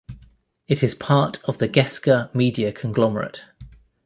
It is part of the Gesca media conglomerate.